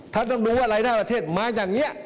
ท่านต้องรู้ว่าไร้ท่านประเทศมาอย่างเงี้ย